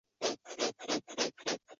还有决定第三名和第四名的附加赛。